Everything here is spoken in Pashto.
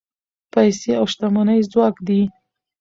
پیسې او شتمني ځواک دی.